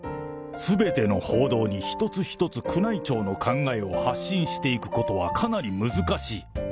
すべての報道に一つ一つ宮内庁の考えを発信していくことはかなり難しい。